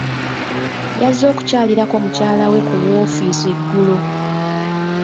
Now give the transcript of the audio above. Yazze okukyalirako mukyala we ku woofiisi eggulo.